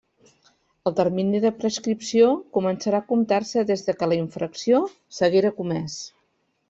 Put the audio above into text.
El termini de prescripció començarà a comptar-se des que la infracció s'haguera comés.